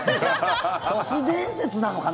都市伝説なのかな？